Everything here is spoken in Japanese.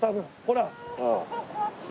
ほら。